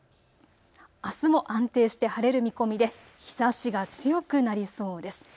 あすも安定して晴れる見込みで日ざしが強くなりそうです。